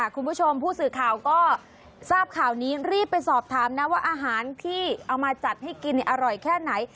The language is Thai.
คุณผู้ชมผู้สื่อข่าวก็ทราบข่าวนี้รีบไปสอบถามนะว่าอาหารที่เอามาจัดให้กินอร่อยแค่ไหน